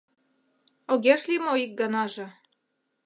Огеш лий мо ик ганаже